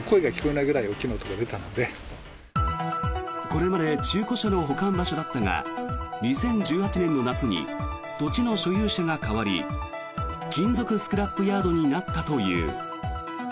これまで中古車の保管場所だったが２０１８年の夏に土地の所有者が代わり金属スクラップヤードになったという。